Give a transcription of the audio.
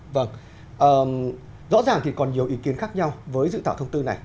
vâng rõ ràng thì còn nhiều ý kiến khác nhau với dự thảo thông tư này